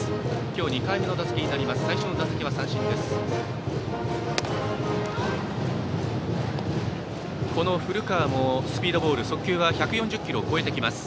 今日２回目の打席になります。